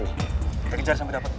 kita kejar sampe dapet